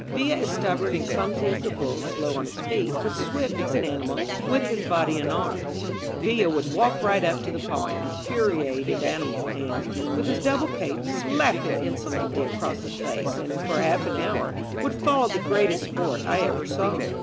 Villa as stubborn and clmnsy as the bull, slow on his feet, but swift as an animal with his body and arms. Villa would walk right up to the pawing, infuriated animal, and, with his double cape, slap him insolently across the face, and, for half an hour, would follow the greatest sport I ever saw.